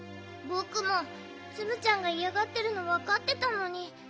ぼくもツムちゃんがいやがってるのわかってたのに。